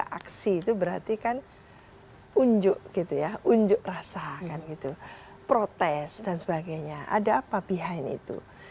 aksi itu berarti kan unjuk gitu ya unjuk rasa kan gitu protes dan sebagainya ada apa behind itu